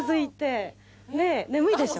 「眠いでしょ」